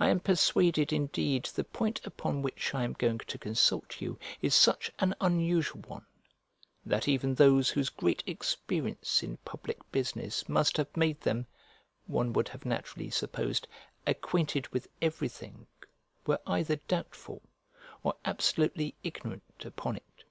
I am persuaded indeed the point upon which I am going to consult you is such an unusual one that even those whose great experience in public business must have made them, one would have naturally supposed, acquainted with everything were either doubtful or absolutely ignorant upon it.